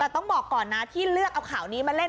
แต่ต้องบอกก่อนนะที่เลือกเอาข่าวนี้มาเล่น